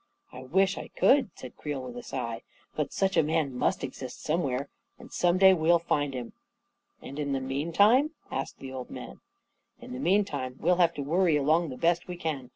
" I wish I could," said Creel, with a sigh. " But such a man must exist somewhere, and some day we'll find him." 44 And in the meantime ?" asked the old man. 44 In the meantime, we'll have to worry along the best we can.